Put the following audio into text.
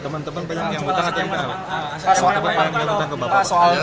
teman teman banyak yang butang atau yang tidak